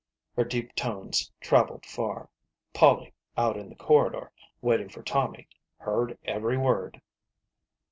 Her deep tones travelled far ; Polly, out in the corridor waiting for Tommy, heard every word.